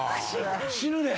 死ぬで。